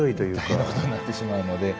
大変なことになってしまうので。